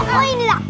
wah ini lah